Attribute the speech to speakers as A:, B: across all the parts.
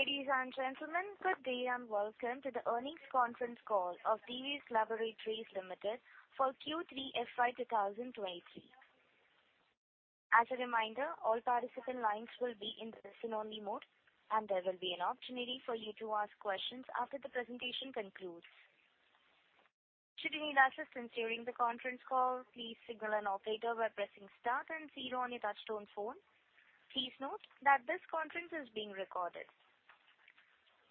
A: Ladies and gentlemen, good day and welcome to the earnings conference call of Divi's Laboratories Limited for Q3 FY 2023. As a reminder, all participant lines will be in listen-only mode, and there will be an opportunity for you to ask questions after the presentation concludes. Should you need assistance during the conference call, please signal an operator by pressing star and zero on your touchtone phone. Please note that this conference is being recorded.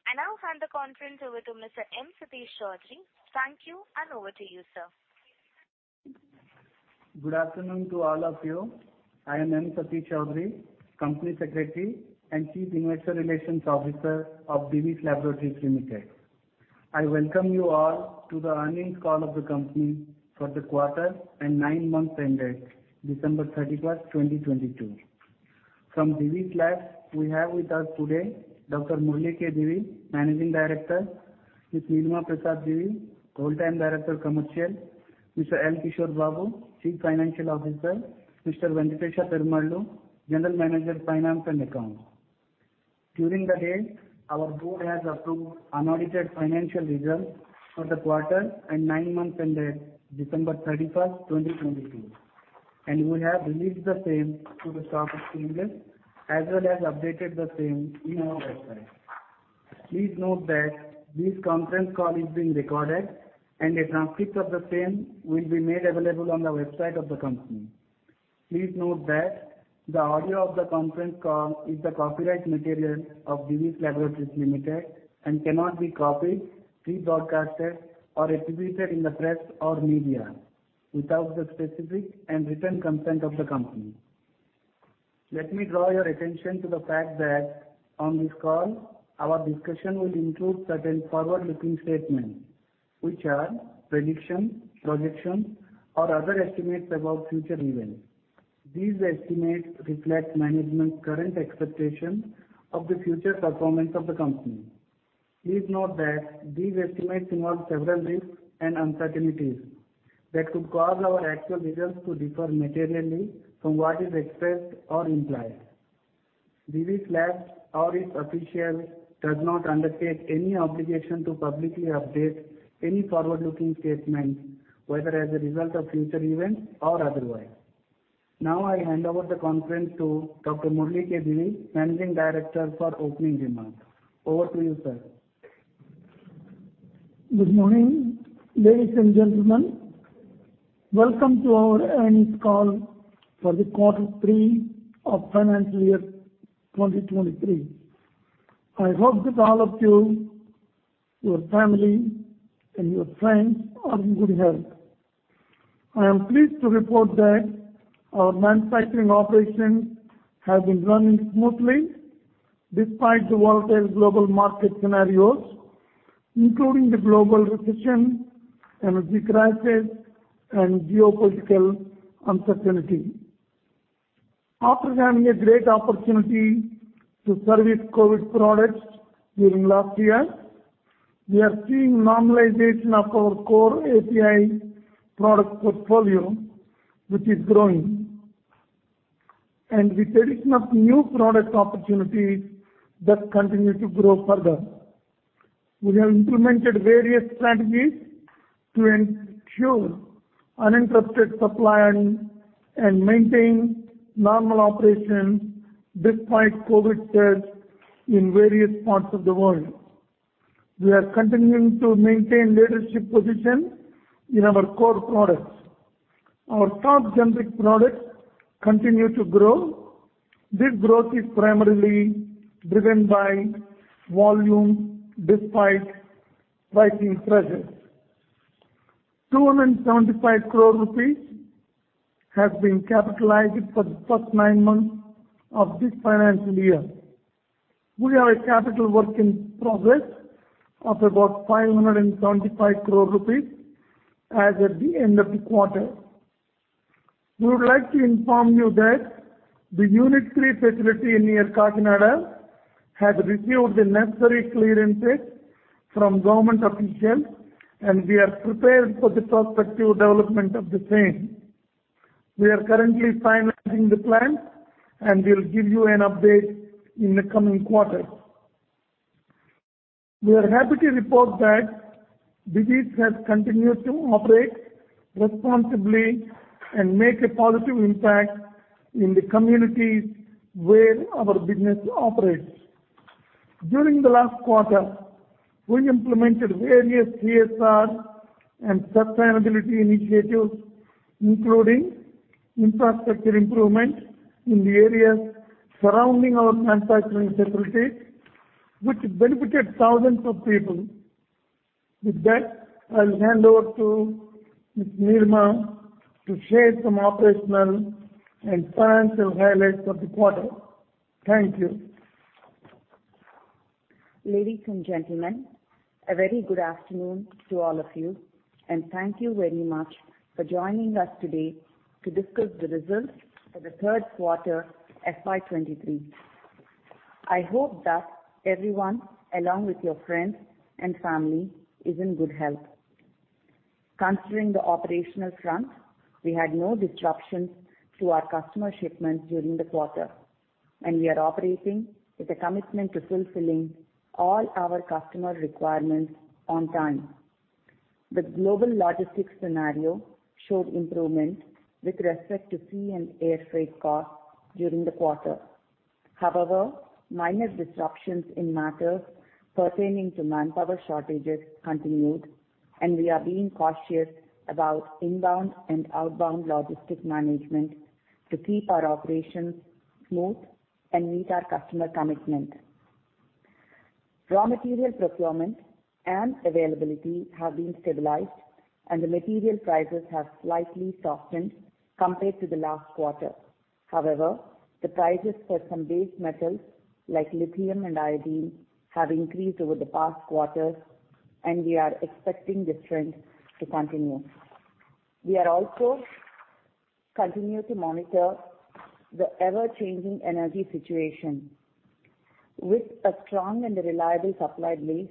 A: I now hand the conference over to Mr. M. Satish Choudhury. Thank you, and over to you, sir.
B: Good afternoon to all of you. I am M. Satish Choudhury, Company Secretary and Chief Investor Relations Officer of Divi's Laboratories Limited. I welcome you all to the earnings call of the company for the quarter and nine months ended December 31st, 2022. From Divi's Labs, we have with us today Dr. Murali K. Divi, Managing Director; Ms. Nilima Prasad Divi, Whole-Time Director Commercial; Mr. L. Kishore Babu, Chief Financial Officer; Mr. Venkatesa Perumallu, General Manager of Finance and Accounts. During the day, our board has approved unaudited financial results for the quarter and nine months ended December 31st, 2022. We have released the same to the stock exchanges as well as updated the same in our website. Please note that this conference call is being recorded and a transcript of the same will be made available on the website of the company. Please note that the audio of the conference call is the copyright material of Divi's Laboratories Limited and cannot be copied, rebroadcasted, or attributed in the press or media without the specific and written consent of the company. Let me draw your attention to the fact that on this call, our discussion will include certain forward-looking statements, which are predictions, projections, or other estimates about future events. These estimates reflect management's current expectations of the future performance of the company. Please note that these estimates involve several risks and uncertainties that could cause our actual results to differ materially from what is expressed or implied. Divi's Labs or its officials does not undertake any obligation to publicly update any forward-looking statements, whether as a result of future events or otherwise. Now I hand over the conference to Dr. Murali K. Divi, Managing Director, for opening remarks. Over to you, sir.
C: Good morning, ladies and gentlemen. Welcome to our earnings call for the Q3 of financial year 2023. I hope that all of you, your family, and your friends are in good health. I am pleased to report that our manufacturing operations have been running smoothly despite the volatile global market scenarios, including the global recession, energy crisis, and geopolitical uncertainty. After having a great opportunity to service COVID products during last year, we are seeing normalization of our core API product portfolio, which is growing, and with addition of new product opportunities that continue to grow further. We have implemented various strategies to ensure uninterrupted supply and maintain normal operations despite COVID surge in various parts of the world. We are continuing to maintain leadership position in our core products. Our top generic products continue to grow. This growth is primarily driven by volume despite pricing pressures. 275 crore rupees has been capitalized for the first nine months of this financial year. We have a capital work in progress of about 575 crore rupees as at the end of the quarter. We would like to inform you that the Unit III facility near Kakinada has received the necessary clearances from government officials, and we are prepared for the prospective development of the same. We are currently finalizing the plan, and we'll give you an update in the coming quarter. We are happy to report that Divi's has continued to operate responsibly and make a positive impact in the communities where our business operates. During the last quarter, we implemented various CSR and sustainability initiatives, including infrastructure improvements in the areas surrounding our manufacturing facilities, which benefited thousands of people. With that, I'll hand over to Ms. Nilima to share some operational and financial highlights of the quarter. Thank you.
D: Ladies and gentlemen, a very good afternoon to all of you, and thank you very much for joining us today to discuss the results for the third quarter FY 2023. I hope that everyone, along with your friends and family, is in good health. Considering the operational front, we had no disruptions to our customer shipments during the quarter, and we are operating with a commitment to fulfilling all our customer requirements on time. The global logistics scenario showed improvement with respect to sea and air freight costs during the quarter. However, minor disruptions in matters pertaining to manpower shortages continued, and we are being cautious about inbound and outbound logistics management to keep our operations smooth and meet our customer commitment. Raw material procurement and availability have been stabilized, and the material prices have slightly softened compared to the last quarter. However, the prices for some base metals, like lithium and iodine, have increased over the past quarters, and we are expecting this trend to continue. We are also continue to monitor the ever-changing energy situation. With a strong and reliable supply base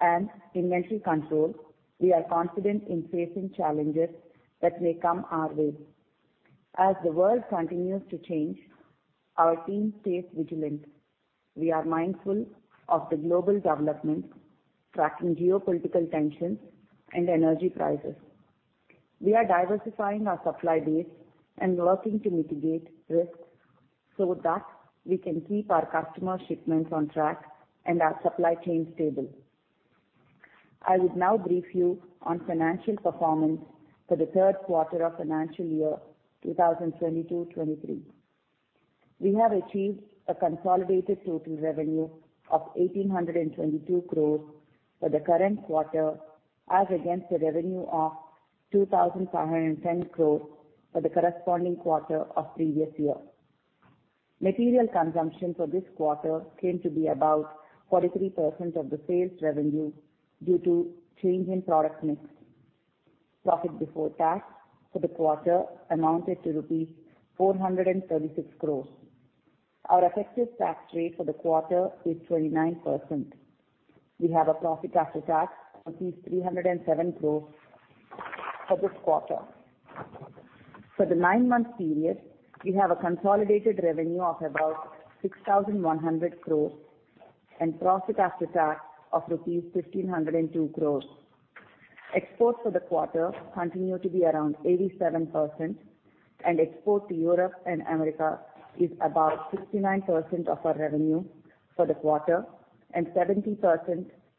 D: and inventory control, we are confident in facing challenges that may come our way. As the world continues to change, our team stays vigilant. We are mindful of the global developments, tracking geopolitical tensions and energy prices. We are diversifying our supply base and working to mitigate risks so that we can keep our customer shipments on track and our supply chain stable. I would now brief you on financial performance for the third quarter of financial year 2022, 2023. We have achieved a consolidated total revenue of 1,822 crores for the current quarter, as against the revenue of 2,510 crores for the corresponding quarter of previous year. Material consumption for this quarter came to be about 43% of the sales revenue due to change in product mix. Profit before tax for the quarter amounted to rupees 436 crores. Our effective tax rate for the quarter is 29%. We have a profit after tax of 307 crores for this quarter. For the nine-month period, we have a consolidated revenue of about 6,100 crores and profit after tax of rupees 1,502 crores. Exports for the quarter continue to be around 87%. Export to Europe and America is about 69% of our revenue for the quarter and 70%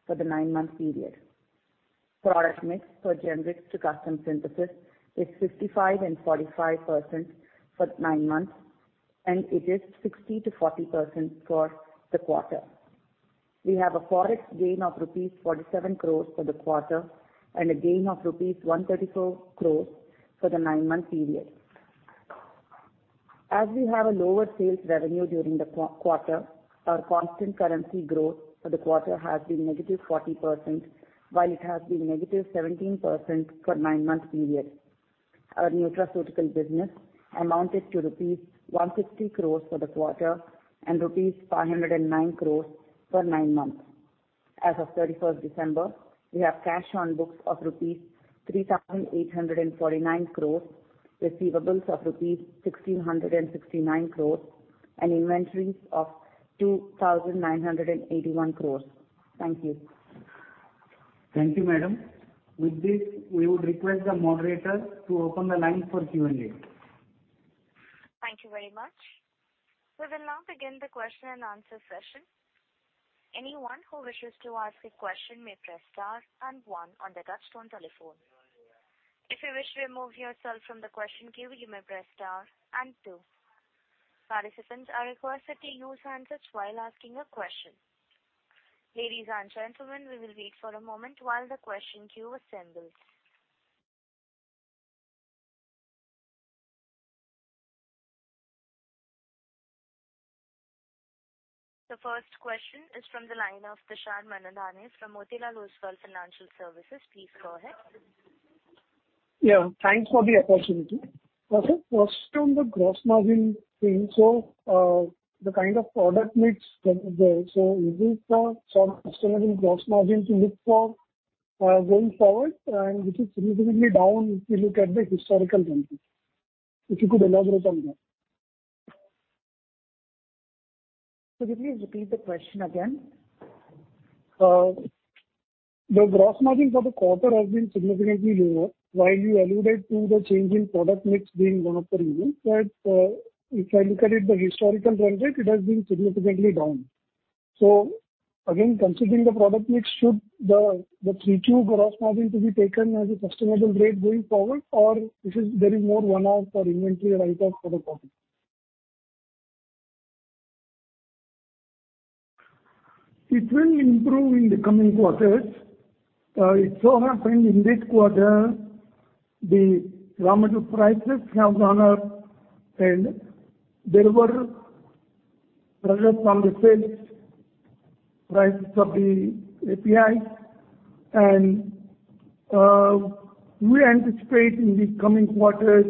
D: for the nine-month period. Product mix for generics to custom synthesis is 55% and 45% for nine months. It is 60%-40% for the quarter. We have a Forex gain of rupees 47 crores for the quarter and a gain of rupees 134 crores for the nine-month period. As we have a lower sales revenue during the quarter, our constant currency growth for the quarter has been -40%, while it has been -17% for nine-month period. Our nutraceutical business amounted to rupees 160 crores for the quarter and rupees 509 crores for nine months. As of 31st December, we have cash on books of rupees 3,849 crores, receivables of rupees 1,669 crores, and inventories of 2,981 crores. Thank you.
B: Thank you, madam. With this, we would request the moderator to open the line for Q&A.
A: Thank you very much. We will now begin the question and answer session. Anyone who wishes to ask a question may press star and one on their touchtone telephone. If you wish to remove yourself from the question queue, you may press star and two. Participants are requested to use answers while asking a question. Ladies and gentlemen, we will wait for a moment while the question queue assembles. The first question is from the line of Tushar Manudhane from Motilal Oswal Financial Services. Please go ahead.
E: Thanks for the opportunity. First on the gross margin thing. The kind of product mix there. Is it a sustainable gross margin to look for, going forward? This is significantly down if you look at the historical trends. If you could elaborate on that.
D: Could you please repeat the question again?
E: The gross margin for the quarter has been significantly lower. While you alluded to the change in product mix being one of the reasons, but, if I look at it the historical trend rate, it has been significantly down. Again, considering the product mix, should the 3Q gross margin to be taken as a sustainable rate going forward, or this is there is more one-off or inventory write-off for the quarter?
C: It will improve in the coming quarters. It so happened in this quarter the raw material prices have gone up and there were pressures on the sales prices of the APIs. We anticipate in the coming quarters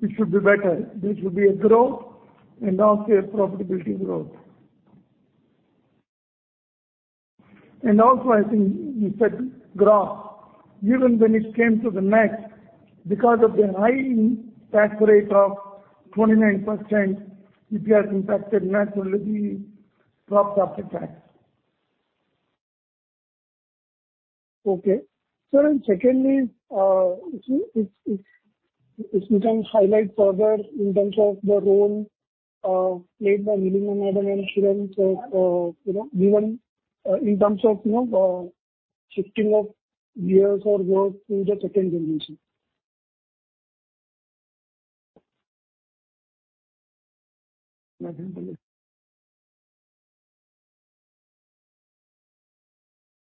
C: it should be better. There should be a growth and also a profitability growth. I think you said growth, even when it came to the next, because of the high tax rate of 29%, it has impacted naturally, dropped after tax.
E: Okay. Sir, secondly, if you can highlight further in terms of the role played by Nilima madam and Kiran, so, you know, even, in terms of, you know, shifting of gears or role to the second generation.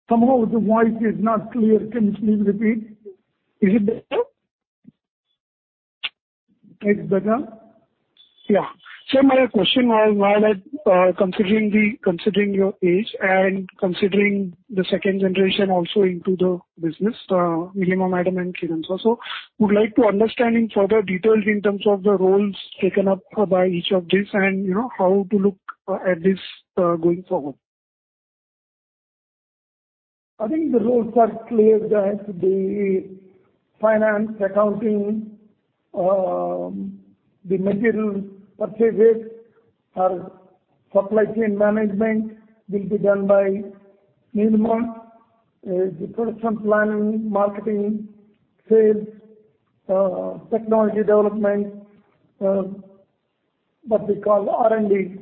C: Somehow the voice is not clear. Can you please repeat? Is it better?
E: It's better. Yeah. My question was, while at considering the considering your age and considering the second generation also into the business, Nilima madam and Kiran. Would like to understand in further details in terms of the roles taken up by each of these and, you know, how to look at this going forward?
C: I think the roles are clear that the finance, accounting, the material purchases or supply chain management will be done by Nilima. The production planning, marketing, sales, technology development, what we call R&D,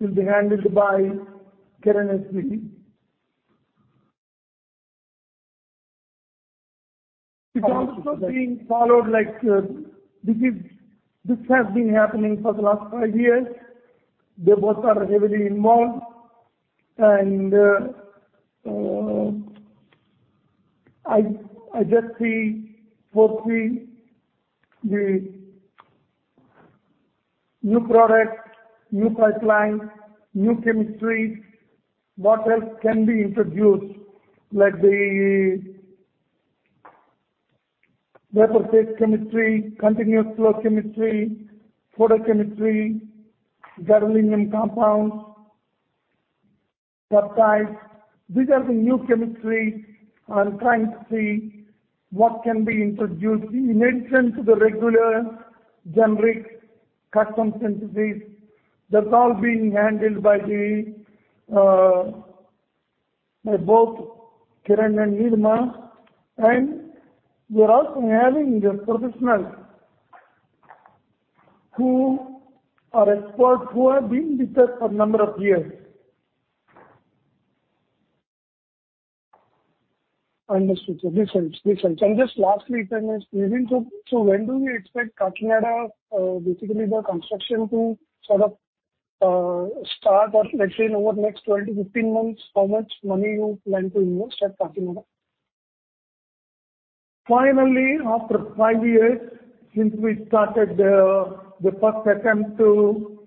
C: will be handled by Kiran S. Divi. It's also being followed like, this is, this has been happening for the last five years. They both are heavily involved. I just see foreseen the new products, new pipelines, new chemistries, what else can be introduced like the vapor phase chemistry, continuous flow chemistry, photochemistry, gadolinium compounds, peptides. These are the new chemistry I'm trying to see what can be introduced. In addition to the regular generics, custom synthesis, that's all being handled by the by both Kiran and Nilima. We are also having the professionals who are experts, who have been with us for number of years.
E: Understood, sir. Thanks, sir. Thanks, sir. Just lastly, sir, when do we expect Kakinada, basically the construction to sort of start or let's say in over the next 12-15 months, how much money you plan to invest at Kakinada?
C: Finally, after five years since we started the first attempt to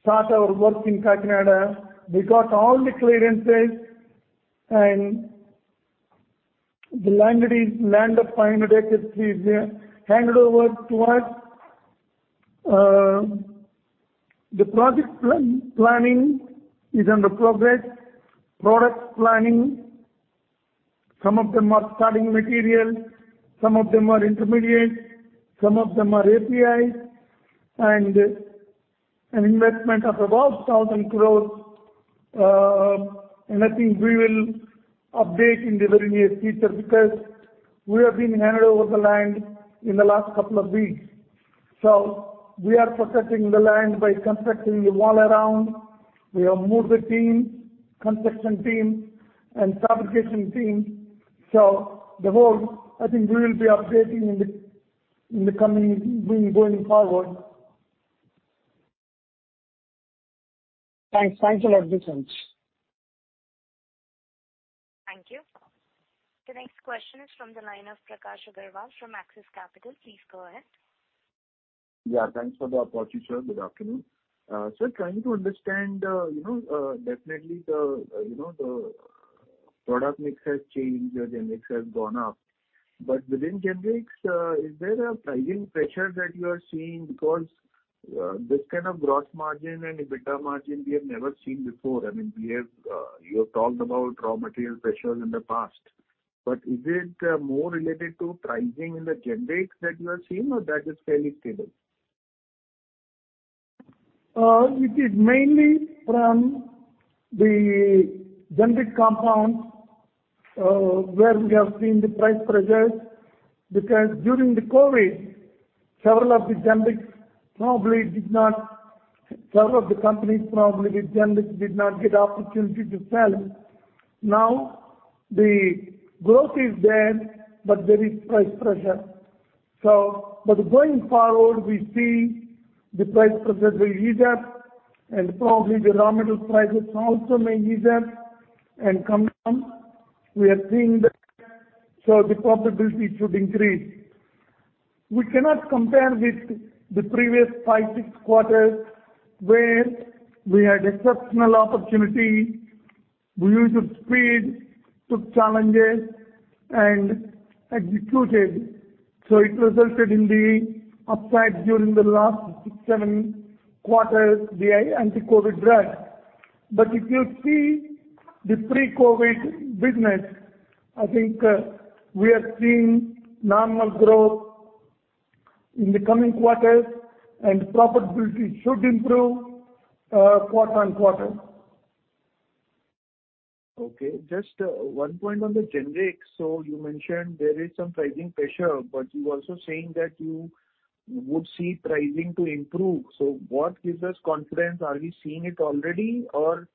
C: start our work in Kakinada, we got all the clearances and the land of 500 acres is handed over to us. The project planning is under progress. Product planning, some of them are starting materials, some of them are intermediates, some of them are APIs, an investment of about 1,000 crores. I think we will update in the very near future because we have been handed over the land in the last couple of weeks. We are protecting the land by constructing the wall around. We have moved the team, construction team and fabrication team. The whole, I think we will be updating in the coming we'll be going forward. Thanks a lot, [Vissens].
A: Thank you. The next question is from the line of Prakash Agarwal from Axis Capital. Please go ahead.
F: Yeah, thanks for the opportunity, sir. Good afternoon. Sir, trying to understand, you know, definitely the, you know, the product mix has changed, the mix has gone up. Within generics, is there a pricing pressure that you are seeing because this kind of gross margin and EBITDA margin we have never seen before? I mean, we have, you have talked about raw material pressures in the past, but is it more related to pricing in the generics that you are seeing or that is fairly stable?
C: It is mainly from the generic compounds, where we have seen the price pressures, because during the COVID, several of the companies, probably, with generics did not get opportunity to sell. Now, the growth is there, but there is price pressure. Going forward, we see the price pressure will ease up and probably the raw material prices also may ease up and come down. We are seeing that. The profitability should increase. We cannot compare with the previous five, six quarters, where we had exceptional opportunity. We used speed, took challenges. Executed. It resulted in the upside during the last six, seven quarters, the anti-COVID drug. If you see the pre-COVID business, I think we are seeing normal growth in the coming quarters and profitability should improve, quarter-on-quarter.
F: Just one point on the generics. You mentioned there is some pricing pressure, but you're also saying that you would see pricing to improve. What gives us confidence? Are we seeing it already? Or,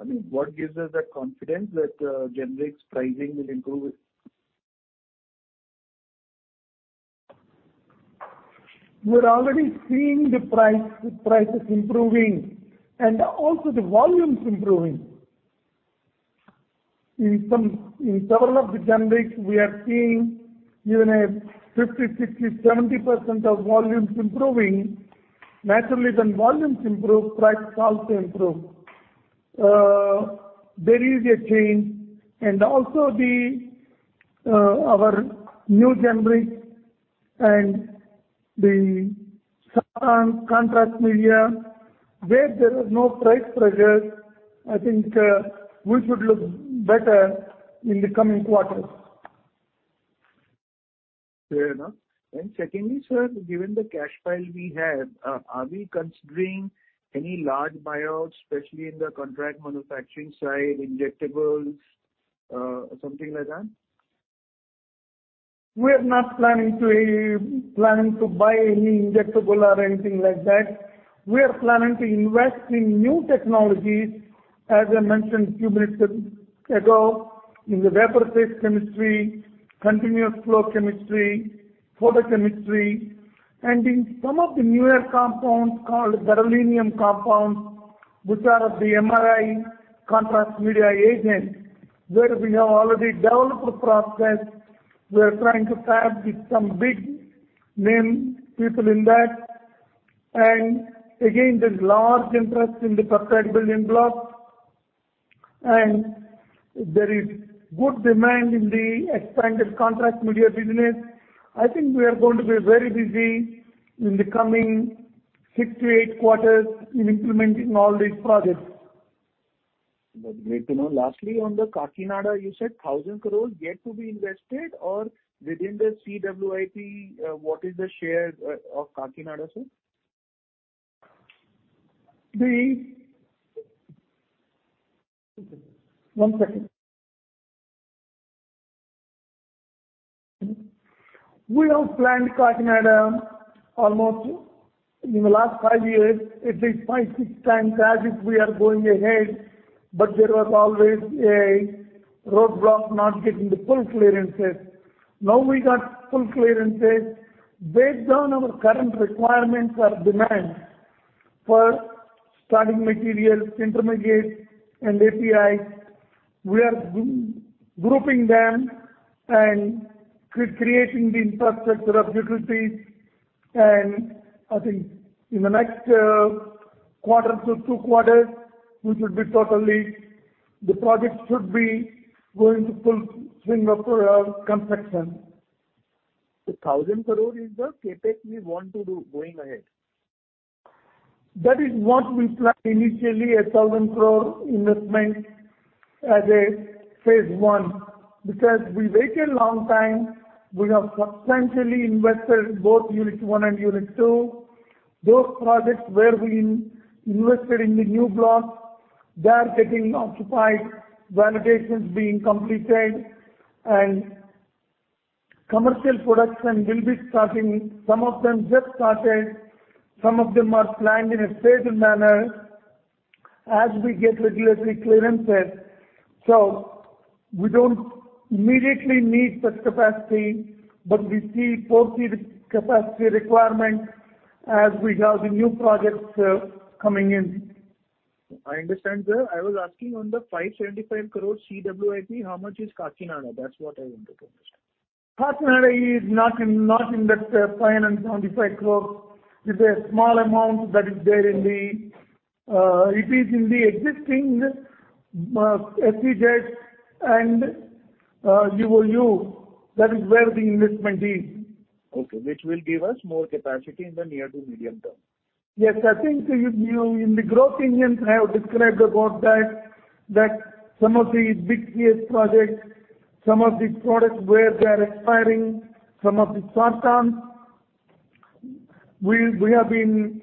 F: I mean, what gives us that confidence that generics pricing will improve?
C: We're already seeing prices improving and also the volumes improving. In several of the generics we are seeing even a 50%, 60%, 70% of volumes improving. Naturally when volumes improve, prices also improve. There is a change and also the our new generic and the contrast media where there is no price pressure, I think, we should look better in the coming quarters.
F: Fair enough. Secondly, sir, given the cash pile we have, are we considering any large buyouts, especially in the contract manufacturing side, injectables, something like that?
C: We are not planning to buy any injectable or anything like that. We are planning to invest in new technologies, as I mentioned a few minutes ago, in the vapor phase chemistry, continuous flow chemistry, photochemistry, and in some of the newer compounds called gadolinium compounds, which are the MRI contrast media, where we have already developed a process. We are trying to fab with some big name people in that. Again, there's large interest in the peptide building block. There is good demand in the expanded contrast media business. I think we are going to be very busy in the coming six-eight quarters in implementing all these projects.
F: That's great to know. Lastly, on the Kakinada, you said 1,000 crore yet to be invested or within the CWIP, what is the share of Kakinada, sir?
C: One second. We have planned Kakinada almost in the last five years at least 5x,6x as if we are going ahead, but there was always a roadblock not getting the full clearances. Now we got full clearances. Based on our current requirements or demand for starting materials, intermediates, and APIs, we are grouping them and creating the infrastructure of utilities. I think in the next quarter to two quarters, we should be totally. The project should be going to full swing of construction.
F: 1,000 crore is the CapEx we want to do going ahead?
C: That is what we planned initially, a 1,000 crore investment as a phase I. We waited a long time, we have substantially invested both Unit I and Unit II. Those projects where we invested in the new block, they are getting occupied, validations being completed, and commercial production will be starting. Some of them just started. Some of them are planned in a phased manner as we get regulatory clearances. We don't immediately need such capacity, but we see foresee the capacity requirement as we have the new projects coming in.
F: I understand, sir. I was asking on the 575 crore CWIP, how much is Kakinada? That's what I wanted to understand.
C: Kakinada is not in that INR 5 and 75 crore. It's a small amount that is there in the, it is in the existing SEZ and EOU. That is where the investment is.
F: Okay. Which will give us more capacity in the near to medium term.
C: Yes. I think you in the growth engines I have described about that, some of the big PS projects, some of the products where they are expiring, some of the short-term, we have been.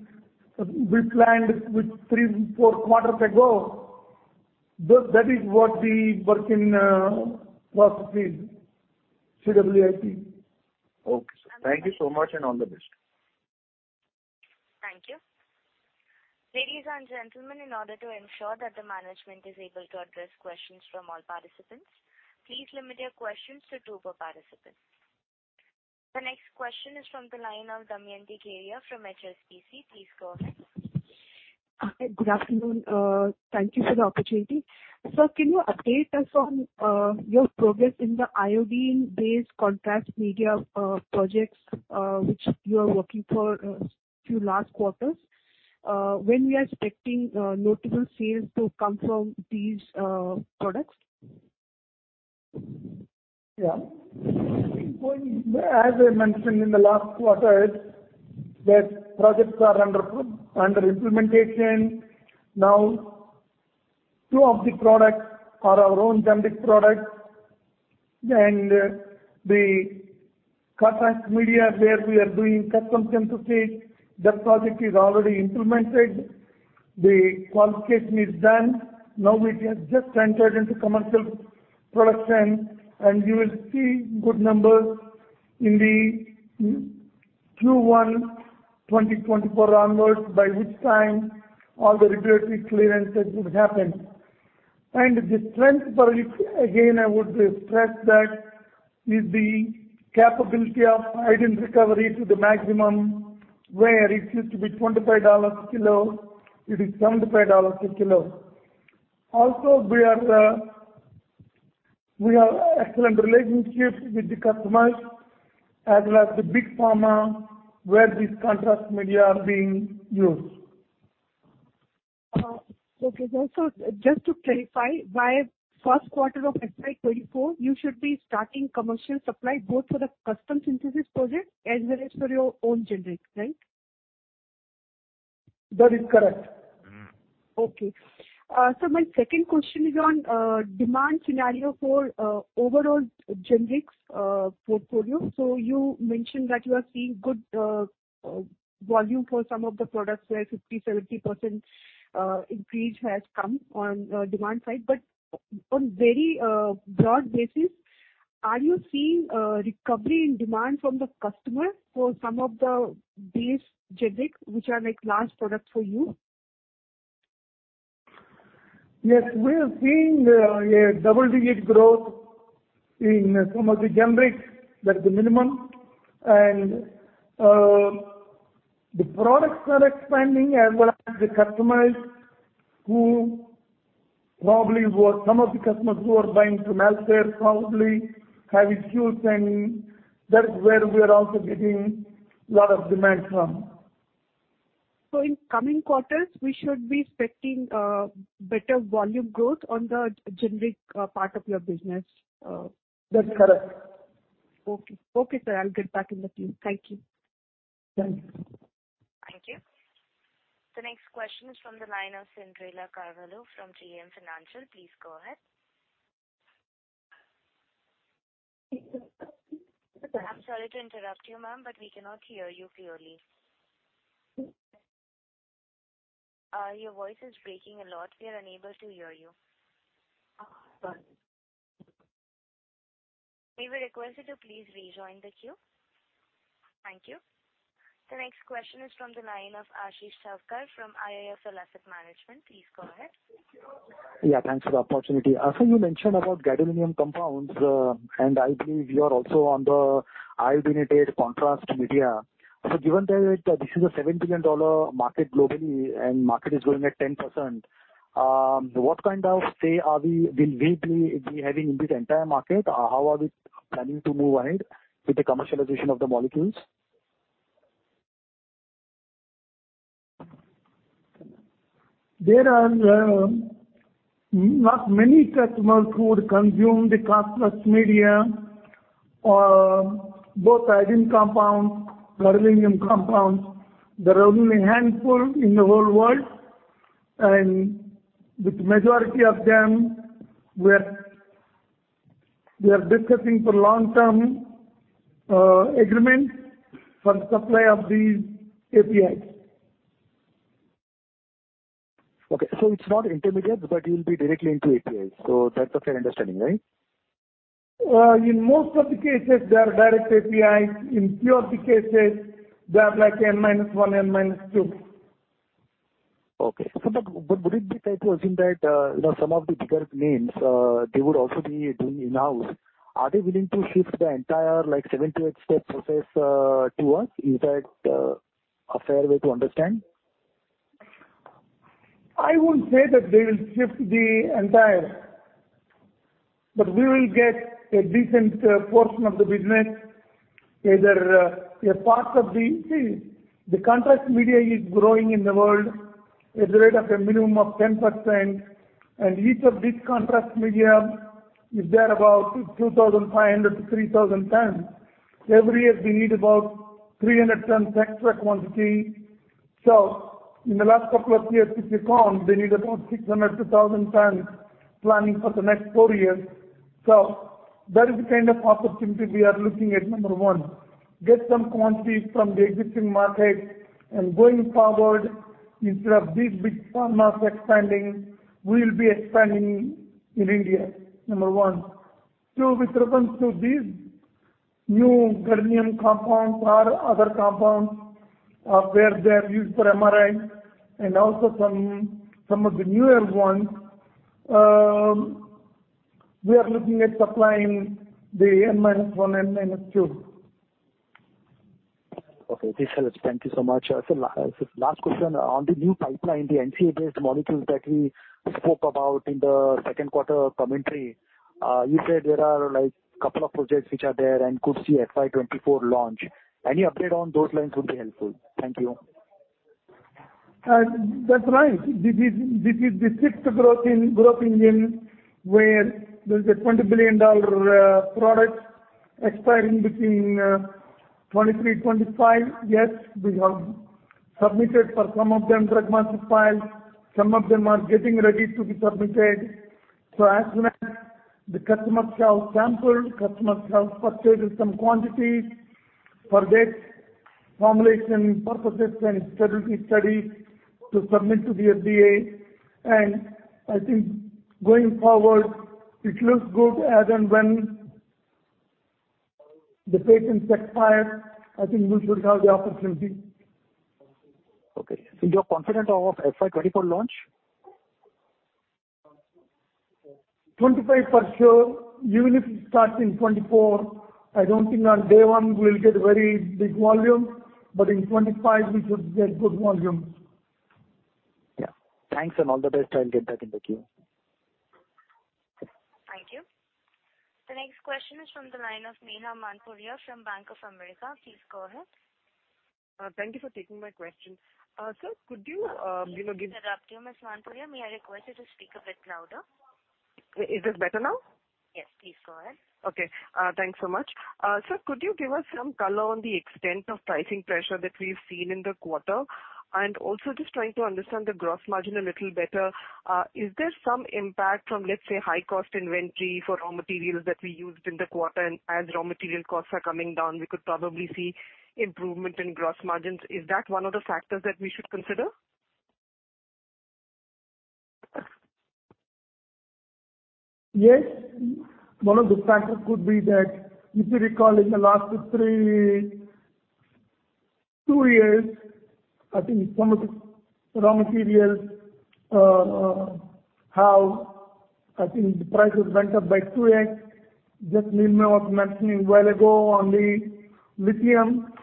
C: We planned with three, four quarters ago. That is what the work in process is, CWIP.
F: Okay, sir. Thank you so much and all the best.
A: Thank you. Ladies and gentlemen, in order to ensure that the management is able to address questions from all participants, please limit your questions to two per participant. The next question is from the line of Damayanti Kerai from HSBC. Please go ahead.
G: Hi, good afternoon. Thank you for the opportunity. Sir, can you update us on your progress in the iodine-based contrast media projects, which you are working for few last quarters? When we are expecting notable sales to come from these products?
C: Yeah. As I mentioned in the last quarters that projects are under implementation. Now two of the products are our own generic products. The contrast media where we are doing custom synthesis, that project is already implemented. The qualification is done. Now we have just entered into commercial production, and you will see good numbers in the Q1 2024 onwards, by which time all the regulatory clearances would happen. The strength for it, again, I would stress that is the capability of iodine recovery to the maximum, where it used to be $25 a kilo, it is $75 a kilo. We are, we have excellent relationships with the customers as well as the big pharma where this contrast media are being used.
G: Okay. Just to clarify, by first quarter of FY 2024, you should be starting commercial supply both for the custom synthesis project as well as for your own generics, right?
C: That is correct.
G: Okay. My second question is on demand scenario for overall generics portfolio. You mentioned that you are seeing good volume for some of the products where 50%-70% increase has come on demand side. On very broad basis, are you seeing recovery in demand from the customer for some of the base generics which are like large products for you?
C: Yes, we are seeing a double-digit growth in some of the generics, that's the minimum. The products are expanding as well as the customers who probably were some of the customers who were buying from elsewhere probably having issues, and that is where we are also getting lot of demand from.
G: In coming quarters, we should be expecting better volume growth on the generic part of your business.
C: That's correct.
G: Okay. Okay, sir, I'll get back in the queue. Thank you.
C: Thank you.
A: Thank you. The next question is from the line of Cyndrella Carvalho from JM Financial. Please go ahead. I'm sorry to interrupt you, ma'am, but we cannot hear you clearly. Your voice is breaking a lot. We are unable to hear you.
H: Sorry.
A: We will request you to please rejoin the queue. Thank you. The next question is from the line of Ashish Savkur from IIFL Asset Management. Please go ahead.
I: Thanks for the opportunity. Sir, you mentioned about gadolinium compounds, I believe you are also on the iodinated contrast media. Given that this is a $7 billion market globally and market is growing at 10%, what kind of say will we be having in this entire market? How are we planning to move ahead with the commercialization of the molecules?
C: There are not many customers who would consume the contrast media, both iodine compounds, gadolinium compounds. There are only a handful in the whole world. With majority of them, we are discussing for long-term agreement for supply of these APIs.
I: Okay. It's not intermediates, but you'll be directly into APIs. That's a fair understanding, right?
C: In most of the cases, they are direct APIs. In few of the cases they are like N-1, N-2.
I: Okay. But would it be fair to assume that, you know, some of the bigger names, they would also be doing in-house. Are they willing to shift the entire like seven to eight step process, to us? Is that, a fair way to understand?
C: I won't say that they will shift the entire, but we will get a decent portion of the business. See, the contrast media is growing in the world at the rate of a minimum of 10%. Each of these contrast media is there about 2,500 tons-3,000 tons. Every year we need about 300 tons extra quantity. In the last couple of years, if you count, they need about 600 tons-1,000 tons planning for the next four years. That is the kind of opportunity we are looking at, number one. Get some quantities from the existing market. Going forward, instead of these big pharmas expanding, we will be expanding in India, number one. Two, with reference to these new gadolinium compounds or other compounds, where they are used for MRI and also some of the newer ones, we are looking at supplying the N-1, N-2.
I: Okay. This helps. Thank you so much. Sir, last question. On the new pipeline, the NCA-based molecules that we spoke about in the second quarter commentary, you said there are like couple of projects which are there and could see FY 2024 launch. Any update on those lines would be helpful. Thank you.
C: That's right. This is the sixth growth engine where there's a $20 billion product expiring between 2023 and 2025. Yes, we have submitted for some of them Drug Master File. Some of them are getting ready to be submitted. As and when the customers have sampled, customers have purchased some quantities for their formulation purposes and stability studies to submit to the FDA. I think going forward, it looks good as and when the patents expire, I think we should have the opportunity.
I: Okay. You're confident of FY 2024 launch?
C: 2025 for sure. Even if it starts in 2024, I don't think on day one we'll get very big volume. In 2025 we should get good volume.
I: Yeah. Thanks and all the best. I'll get back in the queue.
A: Thank you. The next question is from the line of Neha Manpuria from Bank of America. Please go ahead.
J: Thank you for taking my question. Sir, could you know.
A: Sorry to interrupt you, Ms. Manpuria. May I request you to speak a bit louder?
J: Is this better now?
A: Yes, please go ahead.
J: Okay. Thanks so much. Sir, could you give us some color on the extent of pricing pressure that we've seen in the quarter? Also just trying to understand the gross margin a little better. Is there some impact from, let's say, high cost inventory for raw materials that we used in the quarter? As raw material costs are coming down, we could probably see improvement in gross margins. Is that one of the factors that we should consider?
C: Yes. One of the factors could be that if you recall in the last three, two years, I think some of the raw materials, I think the price has went up by 2x. Just Nilima was mentioning a while ago on the lithium.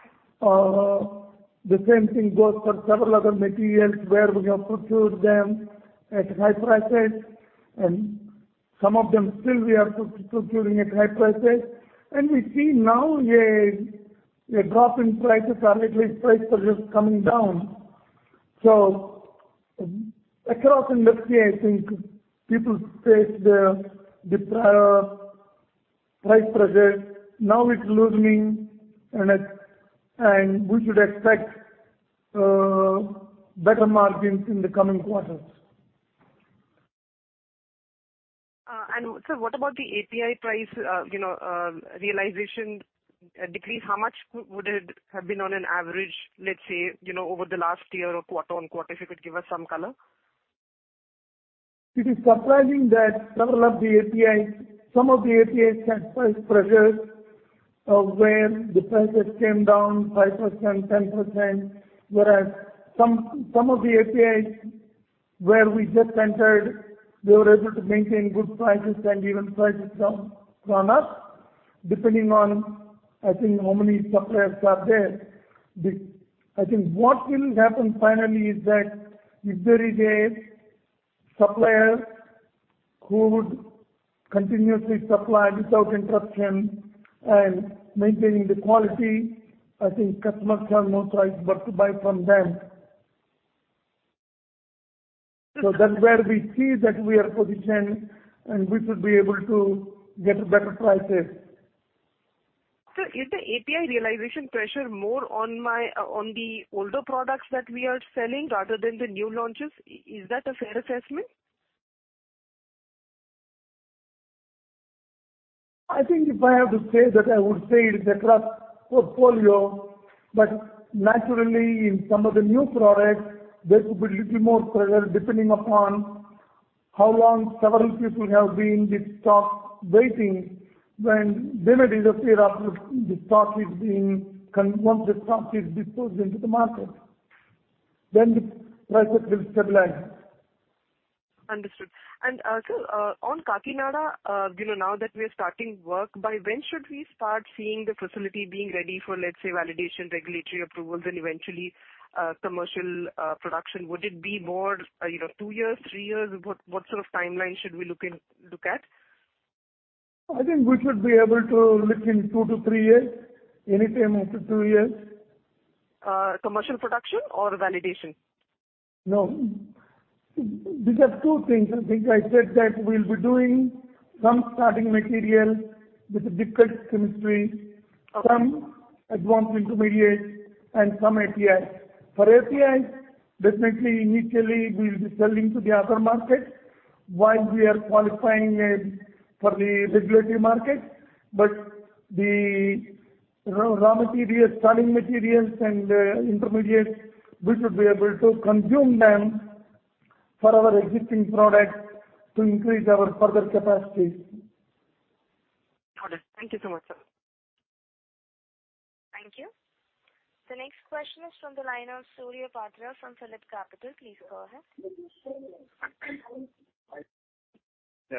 C: The same thing goes for several other materials where we have procured them at high prices, and some of them still we are procuring at high prices. We see now a drop in prices or at least price pressure is coming down. Across industry, I think people face the prior price pressure. Now it's loosening and we should expect better margins in the coming quarters.
J: Sir, what about the API price, you know, realization decrease? How much would it have been on an average, let's say, you know, over the last year or quarter-on-quarter, if you could give us some color?
C: It is surprising that several of the APIs, some of the APIs have price pressures, where the prices came down 5%, 10%, whereas some of the APIs where we just entered, we were able to maintain good prices and even prices gone up, depending on, I think, how many suppliers are there. I think what will happen finally is that if there is a supplier who would continuously supply without interruption and maintaining the quality, I think customers have no choice but to buy from them. That's where we see that we are positioned, and we should be able to get better prices.
J: Sir, is the API realization pressure more on the older products that we are selling rather than the new launches? Is that a fair assessment?
C: I think if I have to say that, I would say it is across portfolio. Naturally in some of the new products there could be little more pressure depending upon how long several people have been with stock waiting. When they reduce the fear of once the stock is disposed into the market, the prices will stabilize.
J: Understood. Sir, on Kakinada, you know, now that we're starting work, by when should we start seeing the facility being ready for, let's say, validation, regulatory approvals and eventually, commercial, production? Would it be more, you know, two years, three years? What sort of timeline should we look at?
C: I think we should be able to look in two-three years, anytime after two years.
J: Commercial production or validation?
C: No. These are two things. I think I said that we'll be doing some starting material with a different chemistry-
J: Okay.
C: -some advanced intermediates and some APIs. For APIs, definitely initially we will be selling to the other markets while we are qualifying for the regulatory market. The raw materials, starting materials and intermediates, we should be able to consume them for our existing products to increase our further capacities.
J: Got it. Thank you so much, sir.
A: Thank you. The next question is from the line of Surya Patra from PhillipCapital. Please go ahead.
K: Yeah, thanks for this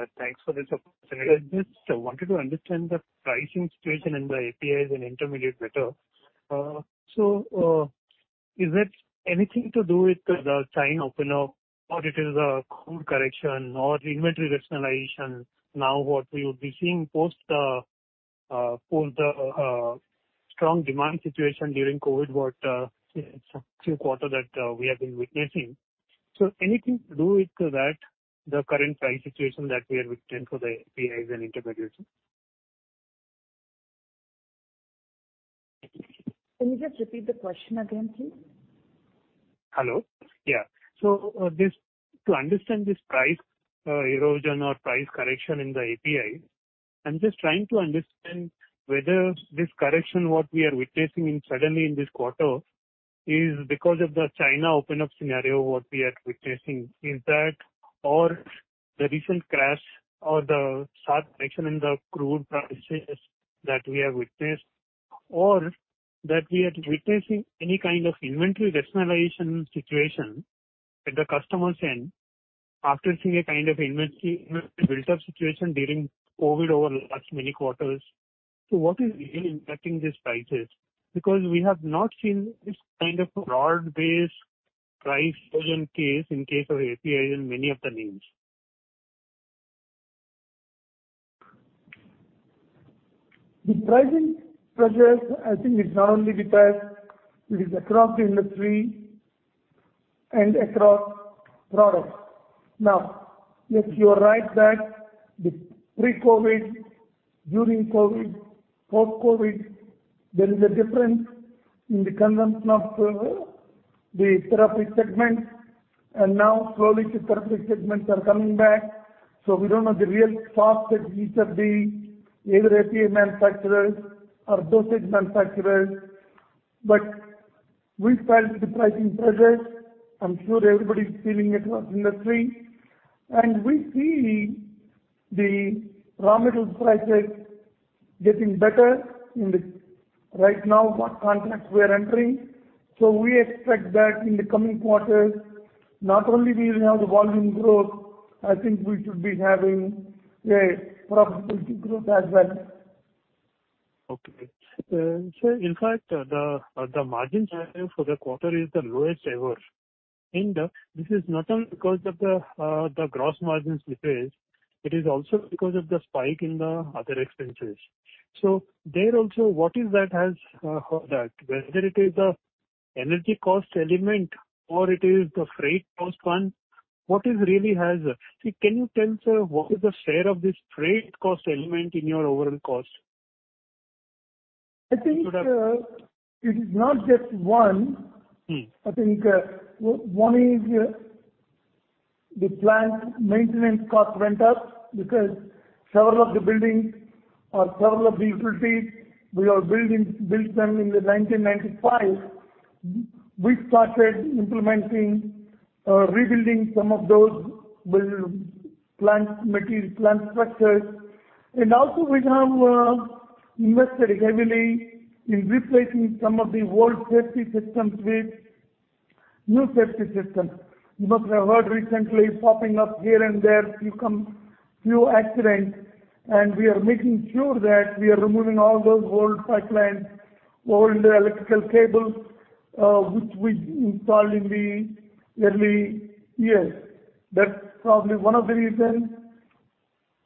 K: opportunity. I just wanted to understand the pricing situation in the APIs and intermediates better. Is it anything to do with the China opener or it is a cold correction or inventory rationalization now what we would be seeing post the strong demand situation during COVID, you know, few quarter that we have been witnessing. Anything to do with that, the current price situation that we are witnessing for the APIs and intermediaries?
D: Can you just repeat the question again, please?
K: Hello. Yeah. To understand this price erosion or price correction in the API, I'm just trying to understand whether this correction, what we are witnessing in suddenly in this quarter is because of the China open-up scenario, what we are witnessing. Is that or the recent crash or the sharp correction in the crude prices that we have witnessed, or that we are witnessing any kind of inventory rationalization situation at the customer's end after seeing a kind of inventory buildup situation during COVID over last many quarters? What is really impacting these prices? We have not seen this kind of broad-based price erosion case in case of API in many of the names.
C: The pricing pressures I think is not only with us, it is across the industry and across products. Yes, you are right that the pre-COVID, during COVID, post-COVID, there is a difference in the consumption of the therapeutic segment and now slowly the therapeutic segments are coming back. We don't know the real cost that each of the either API manufacturers or dosage manufacturers. We felt the pricing pressures. I'm sure everybody is feeling across industry. We see the raw materials prices getting better in the right now what contracts we are entering. We expect that in the coming quarters, not only we will have the volume growth, I think we should be having a profitability growth as well.
K: In fact, the margin for the quarter is the lowest ever. This is not only because of the gross margins decrease, it is also because of the spike in the other expenses. There also what is that has that? Whether it is the energy cost element or it is the freight cost one, what is really has. Can you tell, sir, what is the share of this freight cost element in your overall cost?
C: I think, it is not just one.
K: Mm-hmm.
C: I think one is the plant maintenance cost went up because several of the buildings or several of the utilities we are building, built them in the 1995. We started implementing rebuilding some of those build plant material, plant structures. Also we have invested heavily in replacing some of the old safety systems with new safety systems. You must have heard recently popping up here and there few come, few accidents, and we are making sure that we are removing all those old pipelines, old electrical cables, which we installed in the early years. That's probably one of the reasons.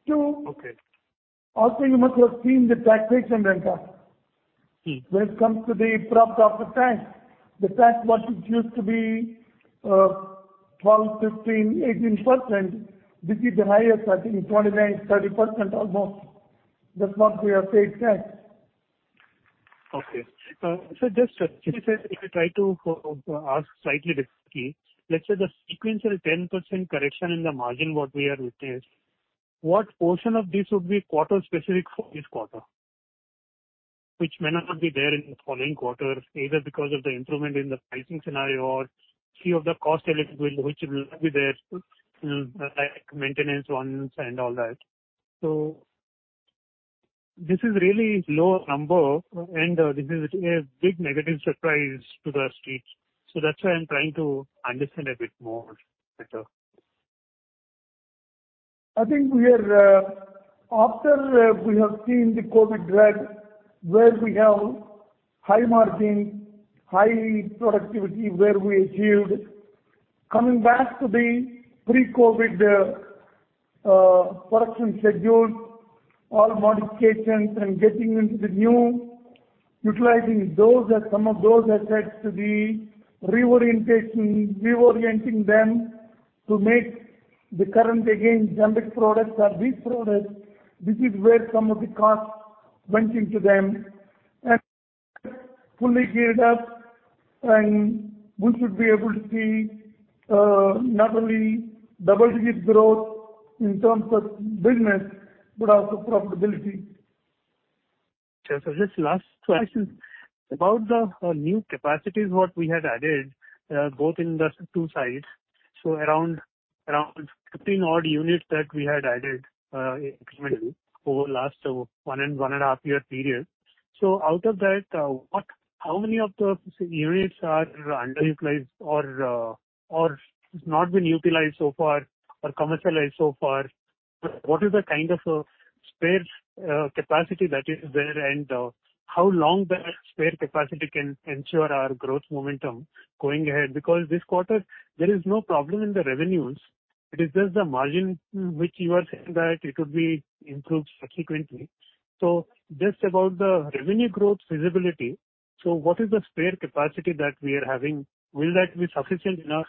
K: Okay.
C: You must have seen the taxation went up.
K: Mm-hmm.
C: When it comes to the profit after tax, the tax what it used to be, 12%, 15%, 18%. This is the highest, I think 29%, 30% almost. That's what we have paid tax.
K: Okay. Just simply say, if you try to ask slightly differently, let's say the sequential 10% correction in the margin, what we are witnessing, what portion of this would be quarter specific for this quarter? Which may not be there in the following quarter either because of the improvement in the pricing scenario or few of the cost element which will not be there, like maintenance ones and all that. This is really low number and this is a big negative surprise to the streets. That's why I'm trying to understand a bit more, better.
C: I think we are after we have seen the COVID drag where we have high margin, high productivity where we achieved. Coming back to the pre-COVID production schedule or modifications and getting into the new, utilizing those as some of those assets to be reorientation, reorienting them to make the current again generic products or these products, this is where some of the costs went into them. Fully geared up and we should be able to see not only double-digit growth in terms of business, but also profitability.
K: Sure. Just last two questions. About the new capacities what we had added, both in the two sides. Around 15 odd units that we had added, incrementally over last one and one and a half year period. Out of that, how many of the units are underutilized or has not been utilized so far or commercialized so far? What is the kind of spare capacity that is there and, how long that spare capacity can ensure our growth momentum going ahead? Because this quarter there is no problem in the revenues. It is just the margin which you are saying that it could be improved subsequently. Just about the revenue growth feasibility, what is the spare capacity that we are having? Will that be sufficient enough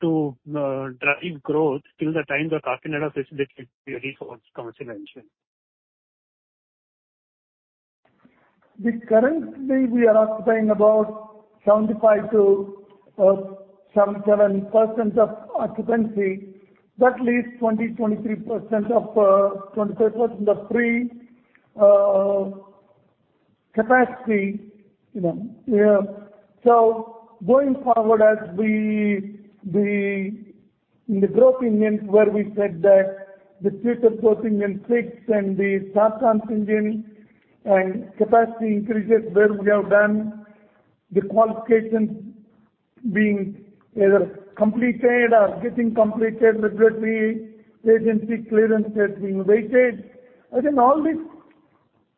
K: to drive growth till the time the Kakinada facility is ready for its commercial venture?
C: The currently we are occupying about 75%-77% of occupancy. That leaves 23% of free capacity, you know, yeah. Going forward as we in the growth engine where we said that the Sweetener Coast engine fix and the South Plant engine and capacity increases where we have done the qualifications being either completed or getting completed gradually. Agency clearance has been waited. I think all this,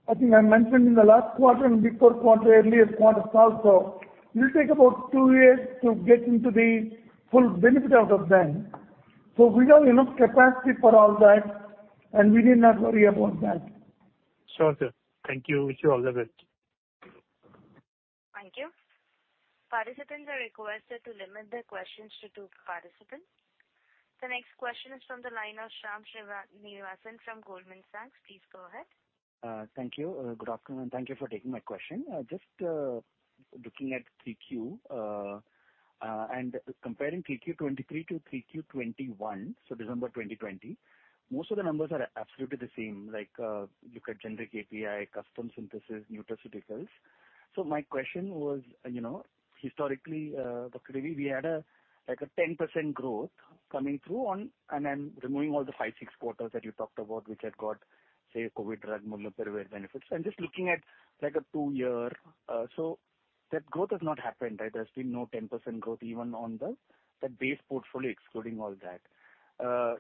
C: I think I mentioned in the last quarter and before quarter, earlier quarters also, it'll take about two years to get into the full benefit out of them. We have enough capacity for all that, and we need not worry about that.
K: Sure, sir. Thank you. Wish you all the best.
A: Thank you. Participants are requested to limit their questions to two participants. The next question is from the line of Shyam Srinivasan from Goldman Sachs. Please go ahead.
L: Thank you. Good afternoon, and thank you for taking my question. Just looking at 3Q, and comparing 3Q 2023-3Q 2021, December 2020, most of the numbers are absolutely the same. Like, look at generic API, custom synthesis, nutraceuticals. My question was, you know, historically, Dr. Divi, we had a, like a 10% growth coming through on, and I'm removing all the five, six quarters that you talked about which had got, say, COVID drug molnupiravir benefits. I'm just looking at like a two-year. That growth has not happened, right? There's been no 10% growth even on the base portfolio excluding all that.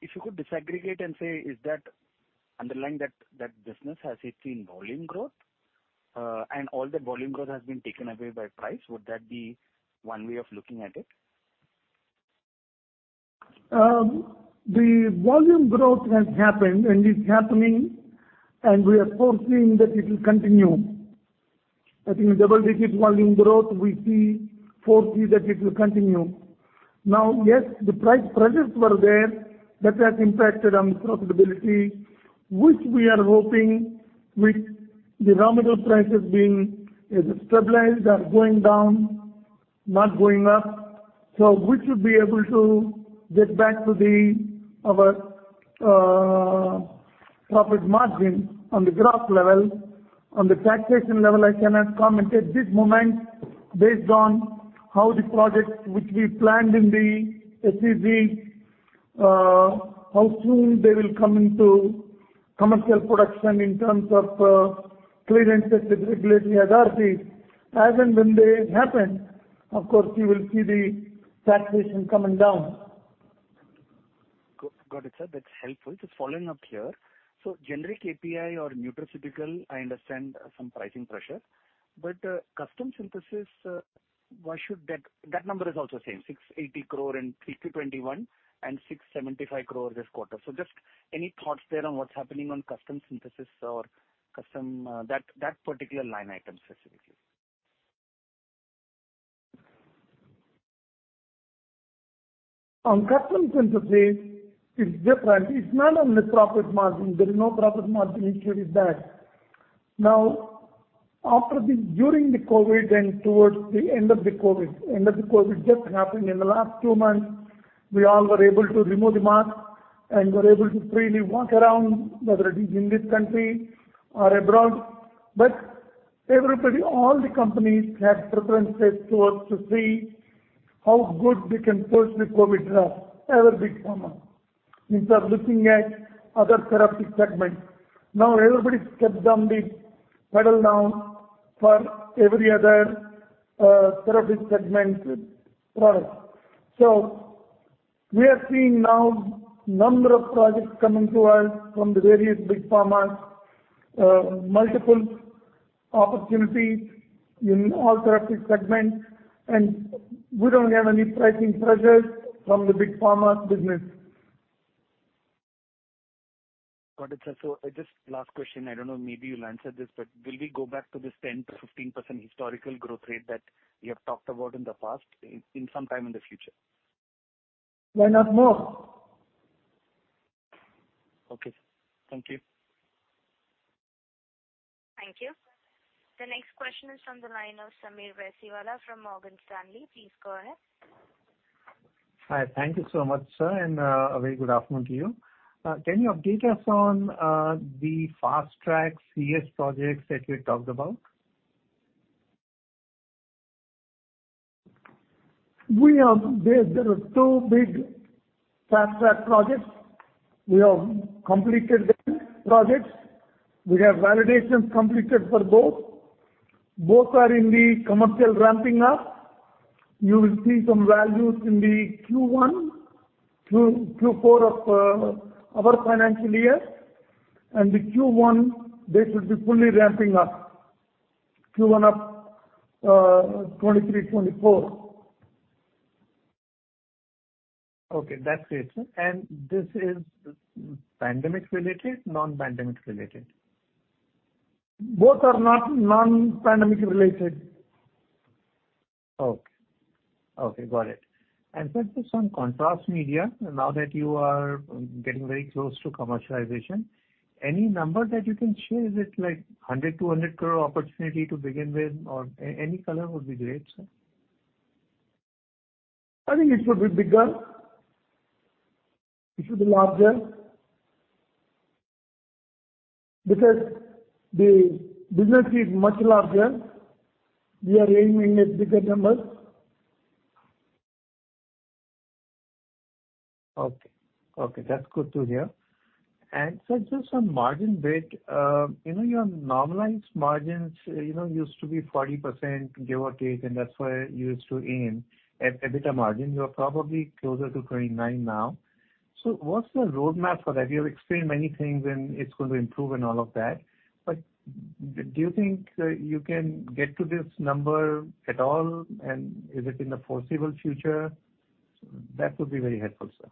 L: If you could disaggregate and say is that underlying that business has it seen volume growth, and all the volume growth has been taken away by price. Would that be one way of looking at it?
C: The volume growth has happened and is happening, and we are foreseen that it will continue. I think double-digit volume growth we see foresee that it will continue. Yes, the price pressures were there. That has impacted on the profitability, which we are hoping with the raw material prices being either stabilized or going down, not going up. We should be able to get back to our profit margin on the gross level. On the taxation level, I cannot comment at this moment based on how the projects which we planned in the SEZ, how soon they will come into commercial production in terms of clearance at the regulatory authorities. As and when they happen, of course you will see the taxation coming down.
L: Got it, sir. That's helpful. Just following up here. Generic API or nutraceutical, I understand some pricing pressure. Custom synthesis, why should that... That number is also same, 680 crore in 3Q 2021 and 675 crore this quarter. Just any thoughts there on what's happening on custom synthesis or custom, that particular line item specifically?
C: On custom synthesis, it's different. It's not only profit margin. There's no profit margin issue with that. During the COVID and towards the end of the COVID just happened in the last two months, we all were able to remove the mask and were able to freely walk around, whether it is in this country or abroad. Everybody, all the companies had preference towards to see how good we can push the COVID drug, ever big pharma, instead of looking at other therapeutic segments. Everybody's kept down the pedal down for every other therapeutic segment product. We are seeing now number of projects coming to us from the various big pharmas, multiple opportunities in all therapeutic segments, and we don't have any pricing pressures from the big pharma business.
L: Got it, sir. Just last question. I don't know, maybe you'll answer this, will we go back to this 10%-15% historical growth rate that you have talked about in the past in some time in the future?
C: Why not more?
L: Okay. Thank you.
A: Thank you. The next question is from the line of Sameer Baisiwala from Morgan Stanley. Please go ahead.
M: Hi. Thank you so much, sir, and, a very good afternoon to you. Can you update us on the fast track CS projects that you had talked about?
C: We have. There are two big fast track projects. We have completed the projects. We have validations completed for both. Both are in the commercial ramping up. You will see some values in the Q1 through four of our financial year. The Q1, they should be fully ramping up. Q1 of 2023, 2024.
M: Okay, that's great. This is pandemic related, non-pandemic related?
C: Both are not non-pandemic related.
M: Okay. Okay, got it. Sir, just on contrast media, now that you are getting very close to commercialization, any number that you can share? Is it like 100 crore-200 crore opportunity to begin with, or any color would be great, sir.
C: I think it should be bigger. It should be larger. Because the business is much larger. We are aiming at bigger numbers.
M: Okay, that's good to hear. Sir, just on margin bit, you know, your normalized margins, you know, used to be 40%, give or take, and that's where you used to aim at EBITDA margin. You are probably closer to 29% now. What's the roadmap for that? You have explained many things and it's going to improve and all of that. Do you think you can get to this number at all? And is it in the foreseeable future? That would be very helpful, sir.